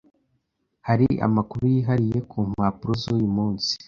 Hari amakuru yihariye mu mpapuro z'uyu munsi?